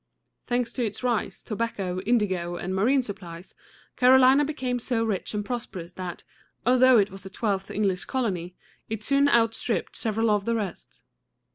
Thanks to its rice, tobacco, indigo, and marine supplies, Carolina became so rich and prosperous that, although it was the twelfth English colony, it soon outstripped several of the rest.